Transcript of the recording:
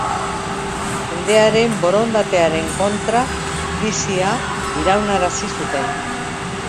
Jendearen borondatearen kontra, krisia iraunarazi zuten.